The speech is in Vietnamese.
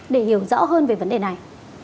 để hiểu rõ hơn về vấn đề này